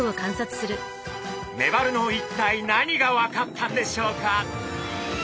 メバルの一体何が分かったんでしょうか？